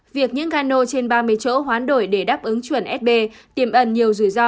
việc những cano trên ba mươi chỗ hoán đổi để đáp ứng chuẩn sb tiêm ẩn nhiều rủi ro